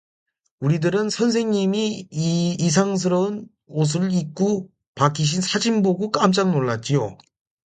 우리들은 선생님이 이상스런 옷을 입구 박히신 사진 보구 깜짝 놀랐지요.